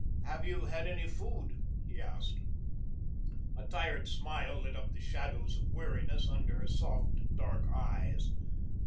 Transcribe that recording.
"Have you had any food?" he asked. A tired smile lit up the shadows of weariness under her soft, dark eyes.